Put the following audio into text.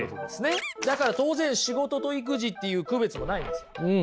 だから当然仕事と育児っていう区別もないんです。